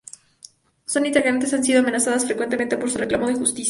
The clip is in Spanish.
Sus integrantes han sido amenazadas frecuentemente por su reclamo de justicia.